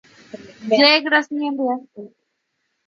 Yegros ñembyasy.